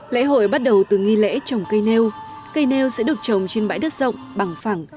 lễ hội bắt đầu từ nghi lễ trồng cây nêu cây nêu sẽ được trồng trên bãi đất rộng bằng phẳng